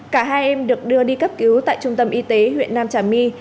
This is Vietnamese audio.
cả hai em được đưa đi cấp cứu tại trung tâm y tế huyện nam trà my